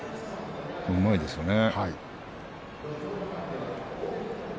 うまいですよね。